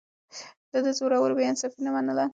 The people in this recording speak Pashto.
ده د زورورو بې انصافي نه منله.